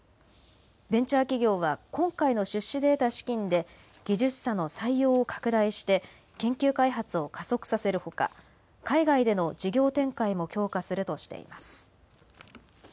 ベンチャー企業は今回の出資で得た資金で技術者の採用を拡大して研究開発を加速させるほか海外での事業展開も強化するとしています。